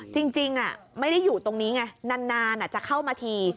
จริงไม่ได้อยู่ตรงนี้ไงนานจะเข้ามาที